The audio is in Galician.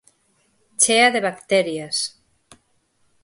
Chea de bacterias.